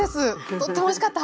とってもおいしかった！